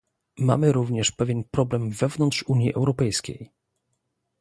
Mamy również pewien problem wewnątrz Unii Europejskiej